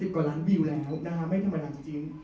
๗๐กว่าล้านวิวแล้วนะครับไม่ธรรมดาจริง